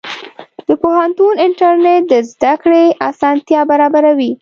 د پوهنتون انټرنېټ د زده کړې اسانتیا برابروي.